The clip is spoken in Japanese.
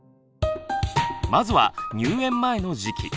まずは入園前の時期。